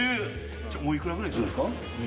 お幾らぐらいするんですか？